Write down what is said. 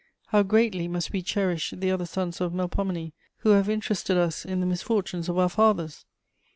How greatly must we cherish the other sons of Melpomene who have interested us in the misfortunes of our fathers!